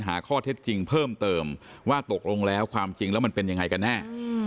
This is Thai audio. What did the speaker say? หาข้อเท็จจริงเพิ่มเติมว่าตกลงแล้วความจริงแล้วมันเป็นยังไงกันแน่